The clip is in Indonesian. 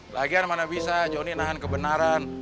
lagian mana bisa joni nahan kebenaran